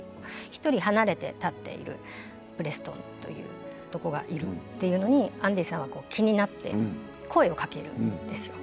１人離れて立っているプレストンという男がいるっていうのにアンディさんは気になって声をかけるんですよ。